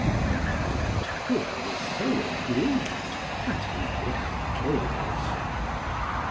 Whereat Pantagruel was so aggrieved that he would have killed himself.